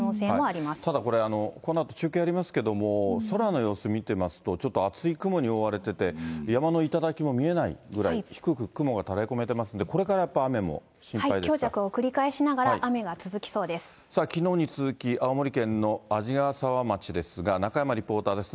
ただこれ、このあと中継やりますけれども、空の様子見てみますと、ちょっと厚い雲に覆われてて、山の頂も見えないぐらい低く雲が垂れ込めてますんで、これからや強弱を繰り返しながら雨は続さあ、きのうに続き青森県の鰺ヶ沢町ですが、中山リポーターです。